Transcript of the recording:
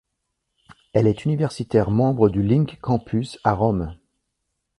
Elle est universitaire membre du Link Campus à Rome.